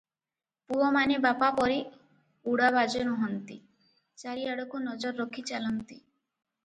ପୁଅମାନେ ବାପା ପରି ଉଡ଼ାବାଜ ନୁହନ୍ତି, ଚାରିଆଡ଼କୁ ନଜର ରଖି ଚାଲନ୍ତି ।